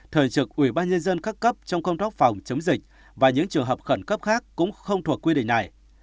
thời trực ủy ban nhân dân các cấp trong công tác phòng chống dịch và những trường hợp khẩn cấp khác cũng không thuộc quy định này